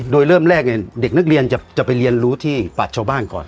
โดยเริ่มแรกเนี่ยเด็กนักเรียนจะไปเรียนรู้ที่บัตรชาวบ้านก่อน